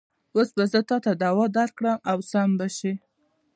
اوس به زه تاته دوا درکړم او سم به شې.